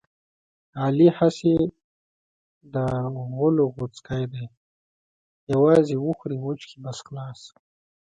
علي هسې د غولو غوڅکی دی یووازې وخوري وچکي بس خلاص.